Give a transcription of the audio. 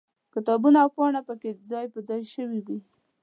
کتابونه او پاڼې پکې ځای پر ځای شوي وي.